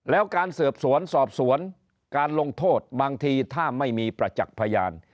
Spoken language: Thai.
แล้วการสืบสวนสอบสวนการลงโทษบางทีถ้าไม่มีประจักษ์พยาน